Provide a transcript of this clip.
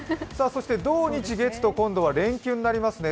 そして土日月と、今度は連休になりますね。